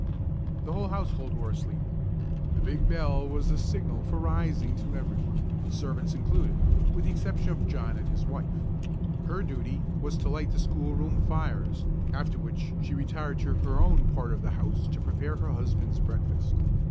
The whole household were asleep. The big bell was the signal for rising to every one, servants included, with the exception of John and his wife. Her duty was to light the schoolroom fires, after which she retired to her own part of the house to prepare her husband's breakfast.